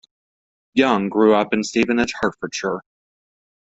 Younge grew up in Stevenage, Hertfordshire.